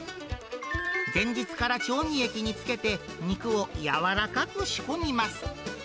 前日から調味液に漬けて肉を柔らかく仕込みます。